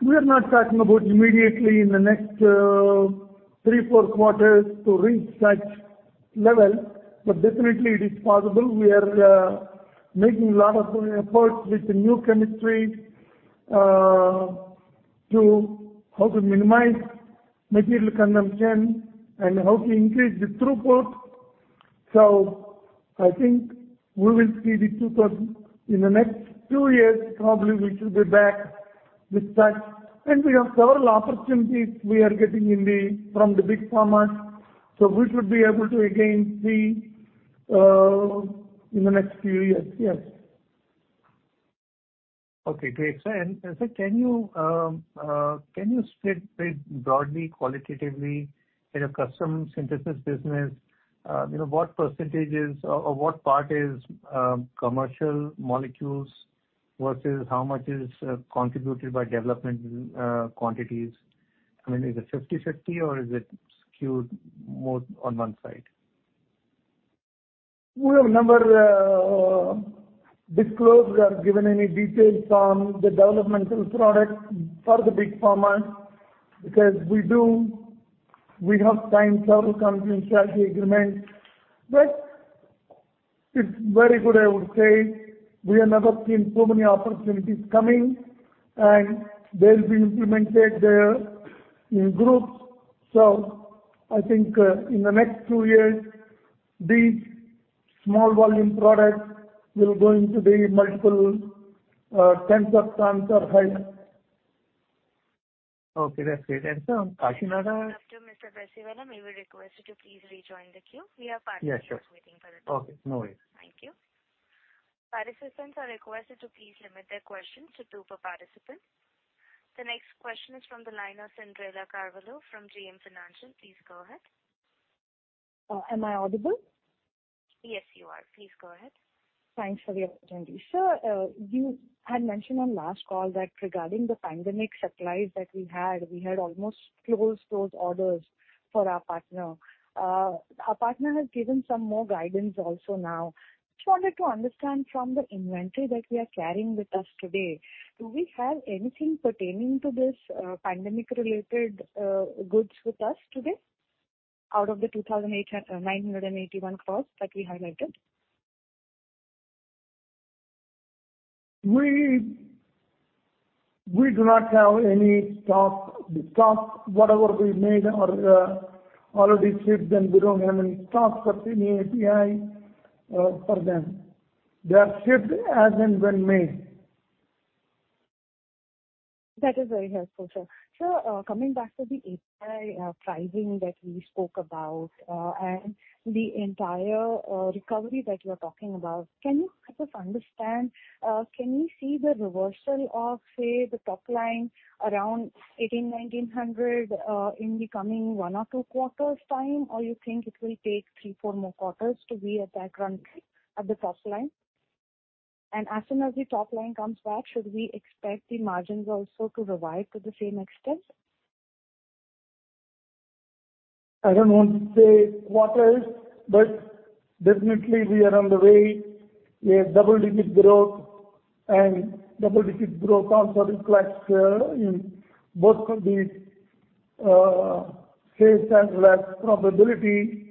C: We are not talking about immediately in the next three, four quarters to reach that level, but definitely it is possible. We are making a lot of efforts with the new chemistry to how to minimize material consumption and how to increase the throughput. I think we will see In the next two years, probably we should be back with that. We have several opportunities we are getting in the, from the big pharma. We should be able to again see in the next few years, yes.
M: Okay, great. Sir, can you split broadly, qualitatively in a custom synthesis business, you know, what percentages or what part is commercial molecules versus how much is contributed by development quantities? I mean, is it 50/50 or is it skewed more on one side?
C: We have never disclosed or given any details on the developmental products for the big pharma because we have signed several confidentiality agreements. It's very good, I would say. We have never seen so many opportunities coming, and they'll be implemented in groups. I think in the next two years, these small volume products will go into the multiple tens of tons or higher.
M: Okay, that's great. Sir, Kashi Nara-
A: After Mr. Baisiwala, we will request you to please rejoin the queue. We are partnering with-
M: Yes, sure.
A: waiting for the call.
M: Okay, no worries.
A: Thank you. Participants are requested to please limit their questions to two per participant. The next question is from the line of Cyndrella Carvalho from JM Financial. Please go ahead.
H: Am I audible?
A: Yes, you are. Please go ahead.
H: Thanks for the opportunity. Sir, you had mentioned on last call that regarding the pandemic supplies that we had, we had almost closed those orders for our partner. Our partner has given some more guidance also now. Just wanted to understand from the inventory that we are carrying with us today, do we have anything pertaining to this pandemic related goods with us today out of the 2,981 crores that we highlighted?
C: We do not have any stock. The stock, whatever we made or already shipped, and we don't have any stock of any API for them. They are shipped as and when made.
H: That is very helpful, sir. Sir, coming back to the API pricing that we spoke about, and the entire recovery that you are talking about. Can you help us understand, can we see the reversal of, say, the top line around 1800, 1900, in the coming one or two quarters time? Or you think it will take three, four more quarters to be at that run rate of the top line? As soon as the top line comes back, should we expect the margins also to revive to the same extent?
C: I don't want to say quarters. Definitely we are on the way. We have double-digit growth and double-digit growth also requires, in both of these, sales and profitability.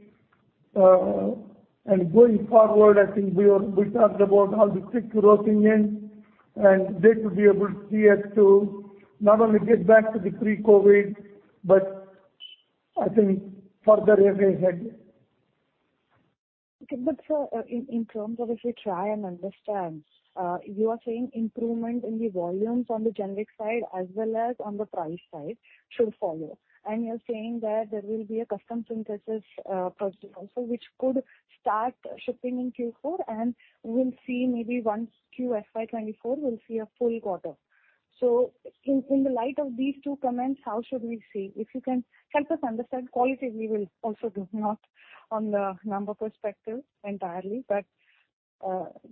C: Going forward, I think we talked about how the cyclicality in, and they should be able to see us to not only get back to the pre-COVID, but I think further ahead.
H: Sir, in terms of if we try and understand, you are saying improvement in the volumes on the generic side as well as on the price side should follow. You're saying that there will be a custom synthesis project also which could start shipping in Q4, and we'll see maybe 1Q FY 2024, we'll see a full quarter. In the light of these two comments, how should we see? If you can help us understand qualitatively will also do, not on the number perspective entirely, but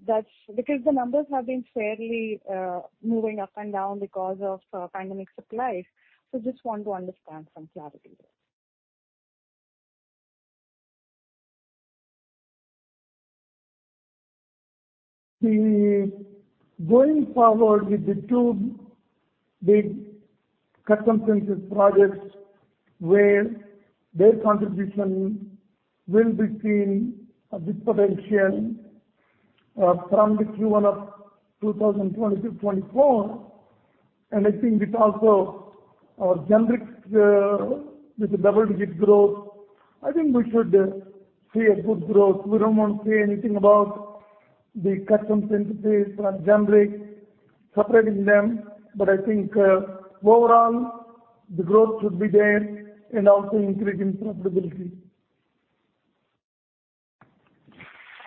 H: That's because the numbers have been fairly moving up and down because of pandemic supplies. Just want to understand some clarity there.
C: Going forward with the two big custom synthesis projects where their contribution will be seen a big potential from the Q1 of 2020-2024, I think with also our generics with the double-digit growth, I think we should see a good growth. We don't want to say anything about the custom synthesis from generics, separating them, I think, overall, the growth should be there and also increasing profitability.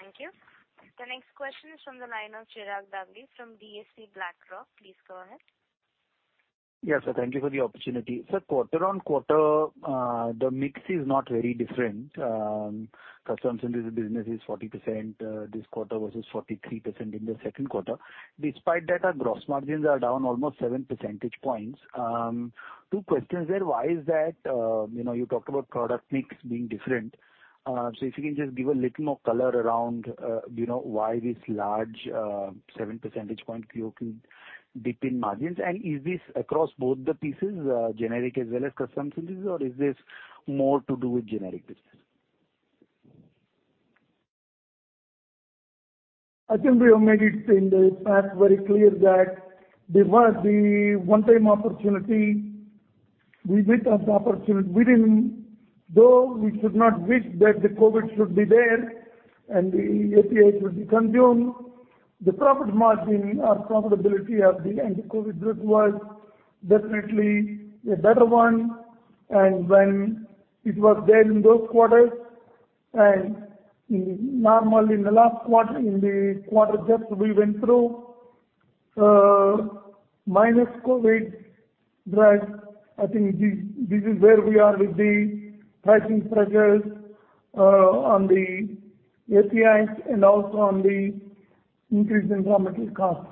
A: Thank you. The next question is from the line of Chirag Dagli from DSP BlackRock. Please go ahead.
N: Yes, sir. Thank you for the opportunity. Quarter-on-quarter, the mix is not very different. Custom synthesis business is 40% this quarter versus 43% in the second quarter. Despite that, our gross margins are down almost 7 percentage points. Two questions there. Why is that? You know, you talked about product mix being different. If you can just give a little more color around, you know, why this large 7 percentage point QOQ dip in margins? Is this across both the pieces, generic as well as custom synthesis, or is this more to do with generic business?
C: I think we have made it in the past very clear that there was the one-time opportunity. We bit us opportunity within, though we should not wish that the COVID should be there and the API should be consumed. The profit margin or profitability of the anti-COVID drug was definitely a better one. When it was there in those quarters, and normally in the last quarter, in the quarter just we went through, minus COVID drug, I think this is where we are with the pricing pressures on the APIs and also on the increased raw material costs.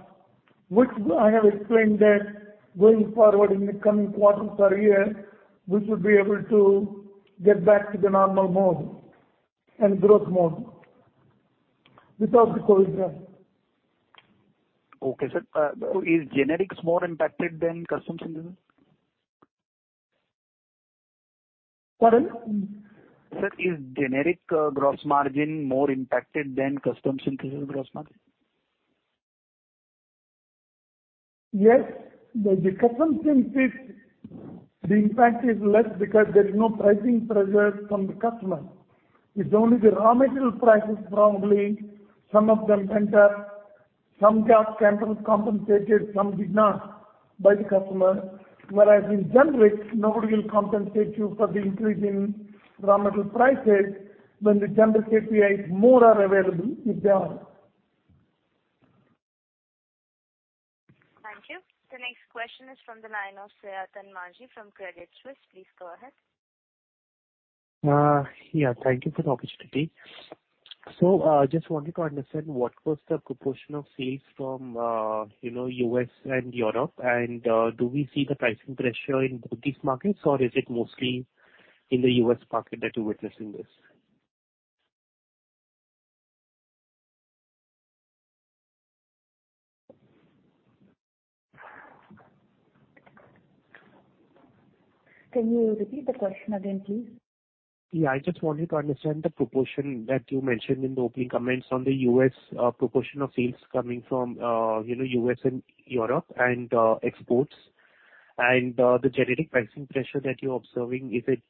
C: I have explained that going forward in the coming quarters or year, we should be able to get back to the normal mode and growth mode without the COVID drug.
N: Okay, sir. Is generics more impacted than custom synthesis?
C: Pardon?
N: Sir, is generic, gross margin more impacted than custom synthesis gross margin?
C: The custom synthesis, the impact is less because there is no pricing pressures from the customer. It's only the raw material prices probably some of them entered. Some got compensated, some did not, by the customer. Whereas in generic, nobody will compensate you for the increase in raw material prices when the generic API is more or available if there are.
A: Thank you. The next question is from the line of Sayantan Maji from Credit Suisse. Please go ahead.
O: Yeah, thank you for the opportunity. Just wanted to understand what was the proportion of sales from, you know, U.S. and Europe. Do we see the pricing pressure in both these markets, or is it mostly in the US market that you're witnessing this?
D: Can you repeat the question again, please?
O: Yeah. I just wanted to understand the proportion that you mentioned in the opening comments on the U.S., proportion of sales coming from, you know, U.S. and Europe and, exports. The generic pricing pressure that you're observing, is it,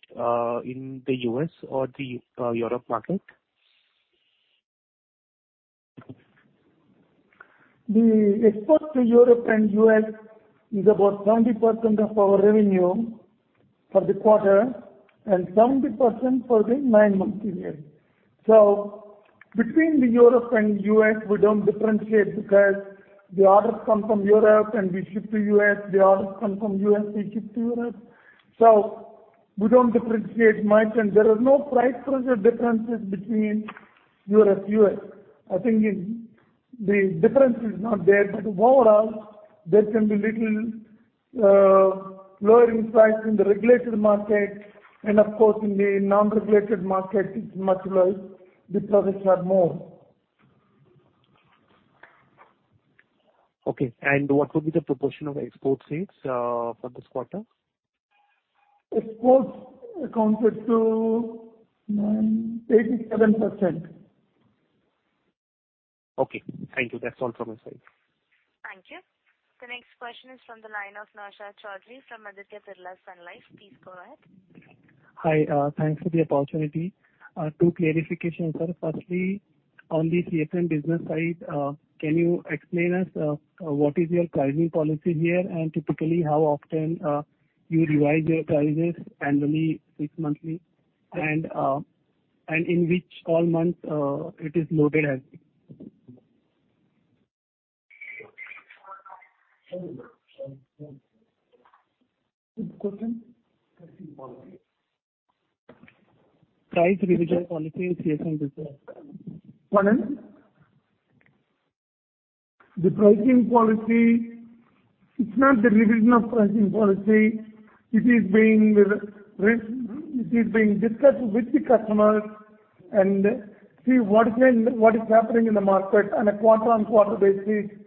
O: in the U.S. or the Europe market?
C: The exports to Europe and U.S. is about 70% of our revenue for the quarter and 70% for the nine-month period. Between the Europe and U.S., we don't differentiate because the orders come from Europe and we ship to U.S., the orders come from U.S., we ship to Europe. We don't differentiate much. There is no price pressure differences between Europe, U.S. I think in the difference is not there. Overall, there can be little lowering price in the regulated market. Of course, in the non-regulated market, it's much less because it's had more.
O: Okay. What would be the proportion of export sales for this quarter?
C: Exports accounted to 87%.
O: Okay, thank you. That's all from my side.
A: Thank you. The next question is from the line of Naushad Chaudhary from Aditya Birla Sun Life. Please go ahead.
P: Hi. Thanks for the opportunity. Two clarifications, sir. Firstly, on the CSM business side, can you explain us, what is your pricing policy here? Typically how often, you revise your prices annually, six-monthly? In which all months, it is loaded as?
C: Second question. Pricing policy.
P: Price revision policy and CSM business.
C: Pardon? The pricing policy, it's not the revision of pricing policy. It is being discussed with the customers and see what is happening in the market on a quarter-on-quarter basis.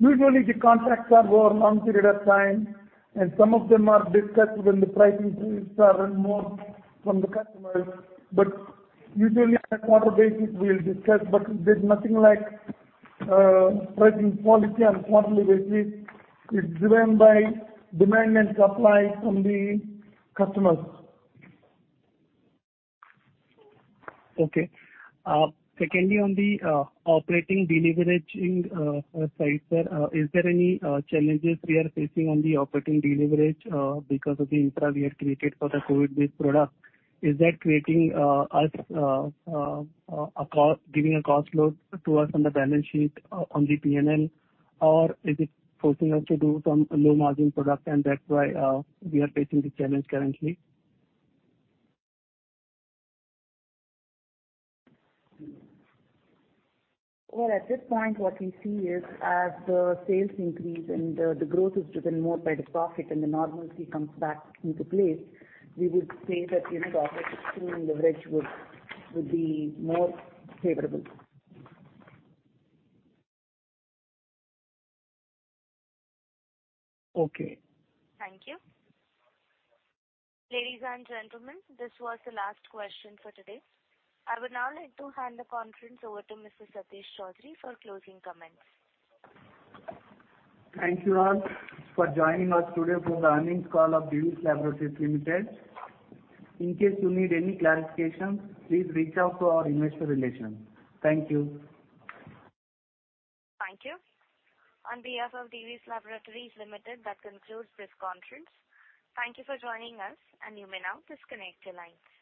C: Usually, the contracts are over a long period of time, and some of them are discussed when the pricing is done more from the customers. Usually, on a quarter basis, we'll discuss. There's nothing like pricing policy on quarterly basis. It's driven by demand and supply from the customers.
P: Okay. Secondly, on the operating deleveraging side, sir, is there any challenges we are facing on the operating deleverage because of the intra we have created for the COVID-based product? Is that creating us giving a cost load to us on the balance sheet, on the P&L, or is it forcing us to do some low-margin product, and that's why we are facing the challenge currently?
D: Well, at this point, what we see is as the sales increase and the growth is driven more by the profit and the normalcy comes back into place, we would say that, you know, the operating leverage would be more favorable.
P: Okay.
A: Thank you. Ladies and gentlemen, this was the last question for today. I would now like to hand the conference over to Mr. Satish Choudhury for closing comments.
B: Thank you all for joining us today for the earnings call of Divi's Laboratories Limited. In case you need any clarification, please reach out to our investor relations. Thank you.
A: Thank you. On behalf of Divi's Laboratories Limited, that concludes this conference. Thank you for joining us. You may now disconnect your lines.